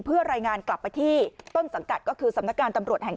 เพื่อรายงานกลับไปที่ต้นสังกัดก็คือสำนักงานตำรวจแห่ง๑